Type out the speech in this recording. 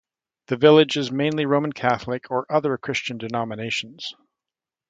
The village is mainly Roman Catholic or other Christian denominations.